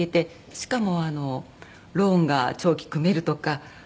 しかもローンが長期組めるとか。